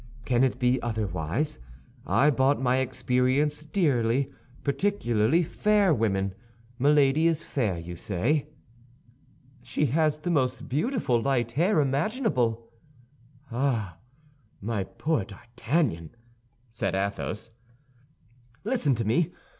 Can it be otherwise? I bought my experience dearly—particularly fair women. Milady is fair, you say?" "She has the most beautiful light hair imaginable!" "Ah, my poor D'Artagnan!" said Athos. "Listen to me!